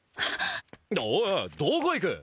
おいおいどこ行く！